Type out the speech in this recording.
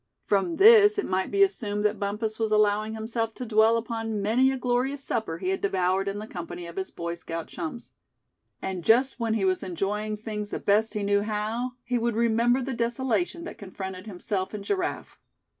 From this it might be assumed that Bumpus was allowing himself to dwell upon many a glorious supper he had devoured in the company of his Boy Scout chums; and just then he was enjoying things the best he knew how, he would remember the desolation that confronted himself and Giraffe.